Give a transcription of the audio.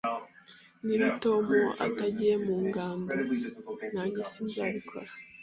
Niba Tom atagiye mu ngando, nanjye sinzabikora.